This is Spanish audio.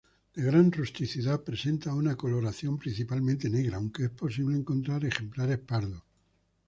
De gran rusticidad, presenta una coloración principalmente negra, aunque es posible encontrar ejemplares pardos.